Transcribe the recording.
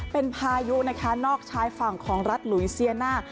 เป็นพายุนะคะนอกชายฝั่งของรัฐหลุยเซียน่า